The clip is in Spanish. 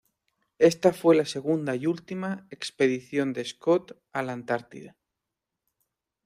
Esta fue la segunda y última expedición de Scott a la Antártida.